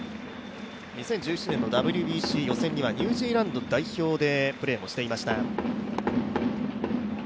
過去のＷＢＣ予選ではニュージーランド代表でプレーしていました。